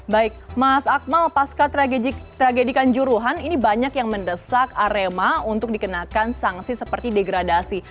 baik mas akmal pasca tragedikan juruhan ini banyak yang mendesak arema untuk dikenakan sanksi seperti degradasi